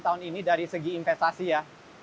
tahun ini dari segi investasi ya